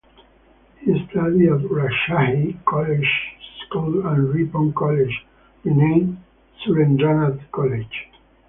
He studied at Rajshahi Collegiate School and Ripon College (renamed Surendranath College).